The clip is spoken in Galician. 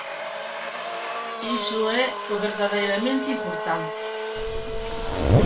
Iso é o verdadeiramente importante.